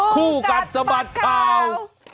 คู่กันสมัสข่าว